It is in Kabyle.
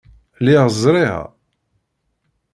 Lliɣ ẓriɣ.